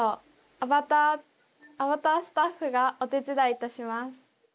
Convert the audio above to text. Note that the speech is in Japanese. アバターアバタースタッフがお手伝いいたします。